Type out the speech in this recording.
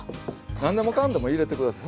何でもかんでも入れて下さい。